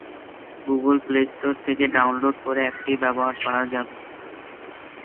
Google Play Store থেকে download করে অ্যাপটি ব্যবহার করা যাবে।